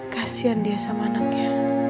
kasian dia sama anaknya